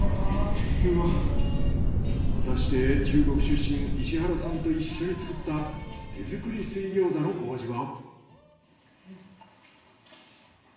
果たして中国出身石原さんと一緒に作った手作り水餃子のお味は？